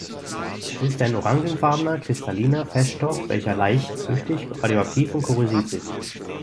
Es ist ein orangefarbener kristalliner Feststoff, welcher leicht flüchtig, radioaktiv und korrosiv ist.